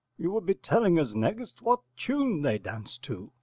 You will be telling us next what tune they danced to.